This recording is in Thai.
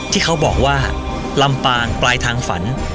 ที่เขาบอกว่าลำปางปลายทางฝัน